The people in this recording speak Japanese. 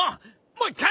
もう一回！